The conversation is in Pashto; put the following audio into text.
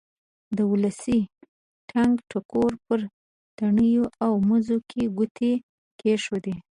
د ولسي ټنګ ټکور پر تڼیو او مزو یې ګوتې کېښودې.